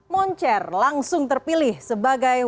moncer langsung terpilih sebagai